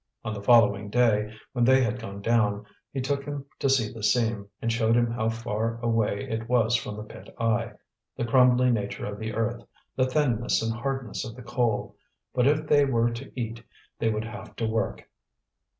On the following day when they had gone down, he took him to see the seam, and showed him how far away it was from the pit eye, the crumbly nature of the earth, the thinness and hardness of the coal. But if they were to eat they would have to work.